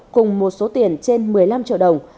cùng một số tiền trên một mươi năm triệu đồng